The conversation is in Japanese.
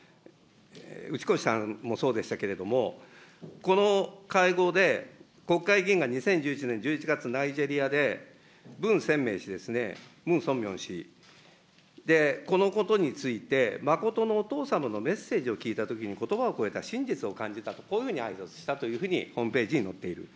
うちこしさんもそうでしたけれども、この会合で国会議員が２０１１年１１月、ナイジェリアで、文鮮明氏ですね、ムン・ソンミョン氏、このことについて、真のお父様のメッセージを聞いたときにことばを超えた真実を感じたと、こういうふうにあいさつしたというふうにホームページに載っている。